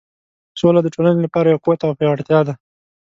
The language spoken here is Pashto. سوله د ټولنې لپاره یو قوت او پیاوړتیا ده.